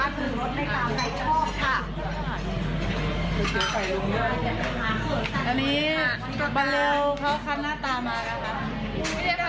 ตอนนี้บรรเลวเข้าข้างหน้าตามากันครับ